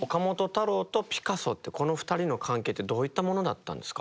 太郎とピカソってこの２人の関係ってどういったものだったんですか？